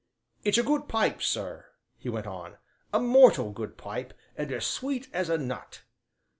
"It's a good pipe, sir," he went on, "a mortal good pipe, and as sweet as a nut!"